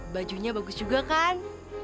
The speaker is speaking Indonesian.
bajunya bagus juga kan